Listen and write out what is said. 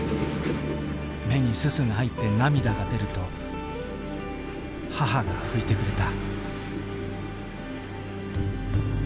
目に煤が入って涙が出ると母が拭いてくれた」。